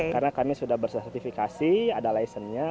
karena kami sudah bersertifikasi ada licennya